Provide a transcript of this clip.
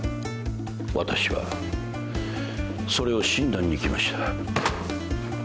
私はそれを診断に来ました。